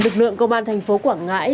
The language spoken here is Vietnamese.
lực lượng công an tp quảng ngãi